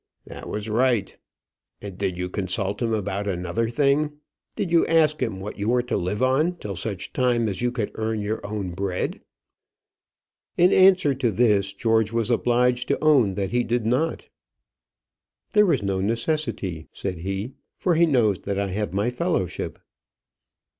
"That was right. And did you consult him about another thing? did you ask him what you were to live on till such time as you could earn your own bread?" In answer to this, George was obliged to own that he did not. "There was no necessity," said he, "for he knows that I have my fellowship."